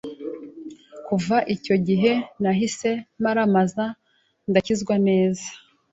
kuva icyo gihe nahise maramaza ndakizwa neza,